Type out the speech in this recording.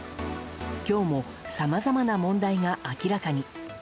今日もさまざまな問題が明らかに。